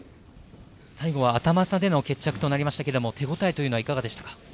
最後はアタマ差での決着となりましたけど手応えというのはいかがでしたか？